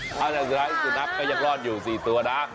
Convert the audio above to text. แล้วทางสุดท้ายสุดท้ายก็ยักษ์รอดอยู่๔ตัวนะ